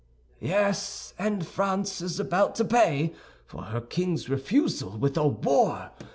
"Yes, and France is about to pay for her king's refusal with a war.